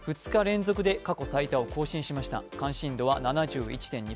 ２日連続で過去最多を更新しました関心度は７１．２％。